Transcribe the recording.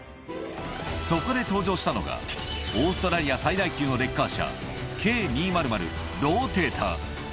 そこで登場したのが、オーストラリア最大級のレッカー車、Ｋ２００ローテータ。